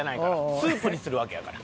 スープにするわけやから。